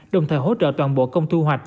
đồng thời hỗ trợ toàn bộ công thu hoạch